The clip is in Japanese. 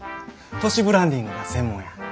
都市ブランディングが専門や。